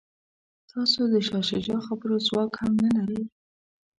تاسو د شاه شجاع خبرو ځواک هم نه لرئ.